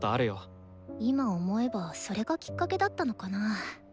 今思えばそれがきっかけだったのかな？